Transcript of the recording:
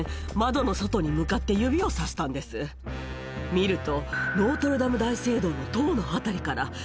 見ると。